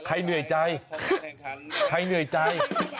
เหนื่อยใจใครเหนื่อยใจ